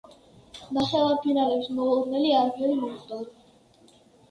ნახევარფინალებში მოულოდნელი არაფერი მომხდარა.